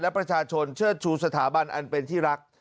และประชาชนเชิดชูสถาบันอันเป็นที่รัก